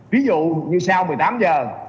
ví dụ như sau một mươi tám h